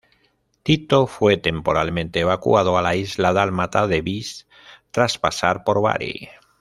Tito fue temporalmente evacuado a la isla dálmata de Vis tras pasar por Bari.